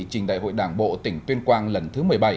trình đại hội đảng bộ tỉnh tuyên quang lần thứ một mươi bảy